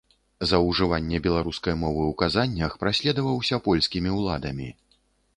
За ўжыванне беларускай мовы ў казаннях праследаваўся польскімі ўладамі.